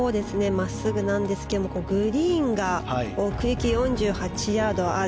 真っすぐなんですがグリーンが奥行き４８ヤードある。